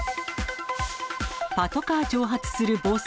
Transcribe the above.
パトカー挑発する暴走。